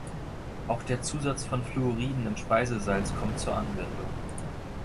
Auch der Zusatz von Fluoriden im Speisesalz kommt zur Anwendung.